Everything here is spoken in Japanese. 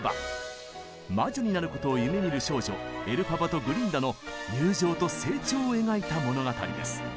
魔女になることを夢みる少女エルファバとグリンダの友情と成長を描いた物語です。